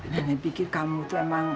demi pikir kamu tuh emang